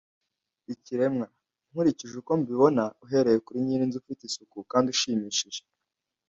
ikiremwa, nkurikije uko mbibona, uhereye kuri nyirinzu ufite isuku kandi ushimishije.